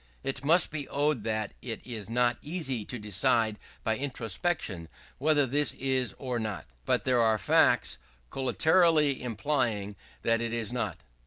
It must be owned that it is not easy to decide by introspection whether this is so or not. But there are facts collaterally implying that it is not.